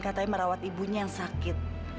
katanya merawat ibunya yang sakit